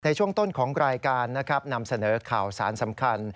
ในช่วงต้นของรายการนะครับนำเสนอข่าวสารสำคัญ